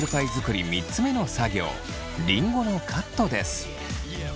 りんごのカットです。